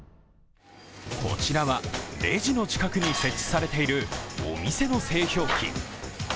こちらは、レジの近くに設置されているお店の製氷機。